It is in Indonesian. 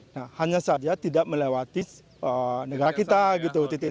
nah hanya saja tidak melewati negara kita gitu